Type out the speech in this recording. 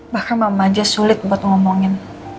bahkan mama aja sulit buat ngomongin